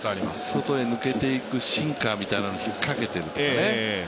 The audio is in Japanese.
外へ抜けていくシンカーみたいなのを引っかけてるからね。